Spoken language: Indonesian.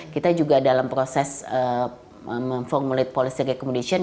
kita juga dalam proses memformulasi policy recommendation